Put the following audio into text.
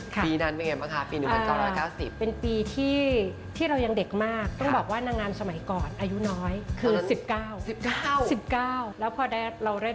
ปีนั้นเป็นยังไงป่ะคะปี๑๙๙๐